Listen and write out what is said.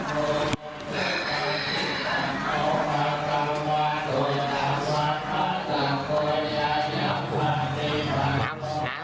เมื่อเอือมาดูก็ว่านี้ม้อนกะครับ